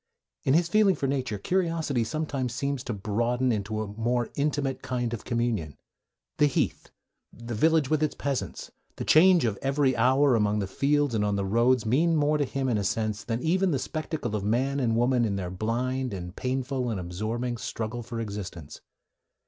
In his feeling for nature, curiosity sometimes seems to broaden into a more intimate kind of communion. The heath, the village with its peasants, the change of every hour among the fields and on the roads, mean more to him, in a sense, than even the spectacle of man and woman in their blind, and painful, and absorbing struggle for existence.